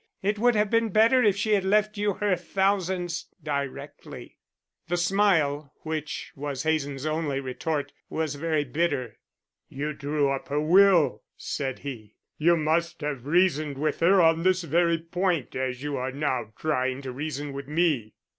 It would have been better if she had left you her thousands directly." The smile which was Hazen's only retort was very bitter. "You drew up her will," said he. "You must have reasoned with her on this very point as you are now trying to reason with me?"